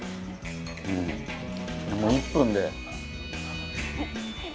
「もう１分で」